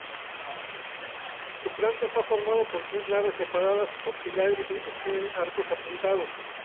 Su planta está formada por tres naves separadas por pilares que sostienen arcos apuntados.